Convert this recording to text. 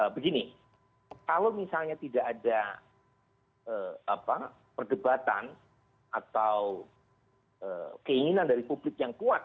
begini kalau misalnya tidak ada perdebatan atau keinginan dari publik yang kuat